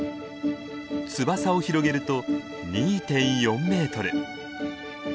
翼を広げると２．４メートル。